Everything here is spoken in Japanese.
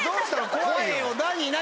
怖いよ何何？